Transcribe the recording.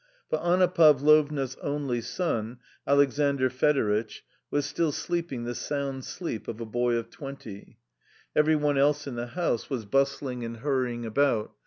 £ But Anna Pavlovna's only son, Alexandr Fedoritch, was still sleeping tlie sound sleep of a Boy of twenty ; every/" one else in the house was _bustling and hurrying about.